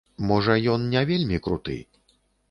Можа, ён не вельмі круты.